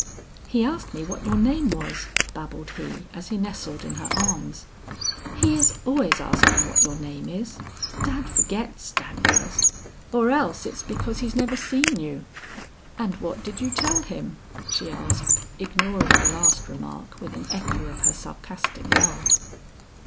"He asked me what your name was," babbled he, as he nestled in her arms. "He is always asking what your name is; Dad forgets, Dad does; or else it's because he's never seen you." "And what did you tell him?" she asked, ignoring the last remark with an echo of her sarcastic laugh.